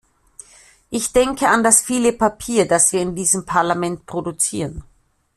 Ich denke an das viele Papier, das wir in diesem Parlament produzieren.